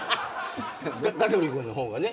香取君の方がね。